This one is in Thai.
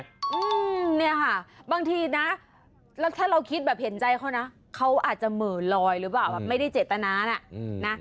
อืมเนี่ยค่ะบางทีนะแล้วถ้าเราคิดแบบเห็นใจเขานะเขาอาจจะเหม่อลอยหรือเปล่าแบบไม่ได้เจตนาน่ะนะ